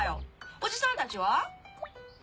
おじさんたちは？